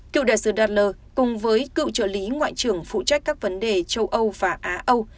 cựu đại sứ datler cùng với cựu trợ lý ngoại trưởng phụ trách các vấn đề châu âu và á âu